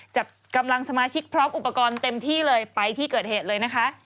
จัดกำลังสมาชิกพร้อมอุปกรณ์เต็มที่เลยไปที่เกิดเหตุเลยนะคะ